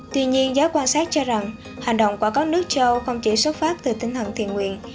tuy nhiên giáo quan sát cho rằng hành động của các nước châu âu không chỉ xuất phát từ tinh thần thiền nguyện